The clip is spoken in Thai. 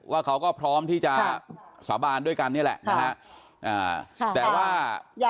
ว่าเขาก็พร้อมที่จะสาบานด้วยกันนี่แหละนะฮะ